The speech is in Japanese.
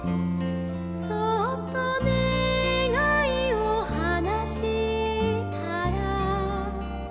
「そっとねがいをはなしたら」